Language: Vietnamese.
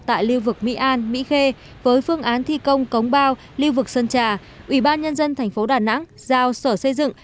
tại lưu vực mỹ an mỹ khê với phương án thi công cống bao lưu vực sơn trà ubnd tp đà nẵng giao sở xây dựng